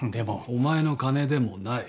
お前の金でもない。